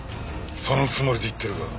そのつもりで言ってるが。